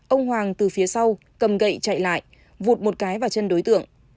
ông hoàng từ phía sau cầm gậy chạy lại vụt một cái vào chân đối tượng